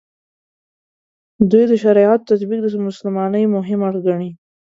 دوی د شریعت تطبیق د مسلمانۍ مهم اړخ ګڼي.